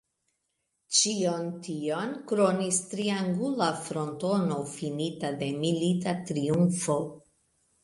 Ĉion tion kronis triangula frontono finita de milita triumfo.